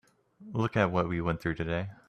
Look at what we went through today.